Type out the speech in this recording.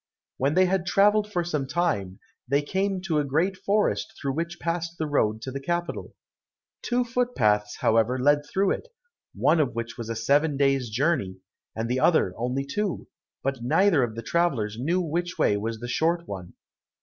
When they had travelled for some time, they came to a great forest through which passed the road to the capital. Two foot paths, however, led through it, one of which was a seven days' journey, and the other only two, but neither of the travellers knew which way was the short one.